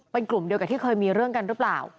เป็นกลุ่มเดียวกับที่เคยมีเรื่องกันหรือเปล่า